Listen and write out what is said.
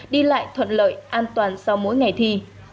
đi lại thuận lợi an toàn sau mỗi ngày thi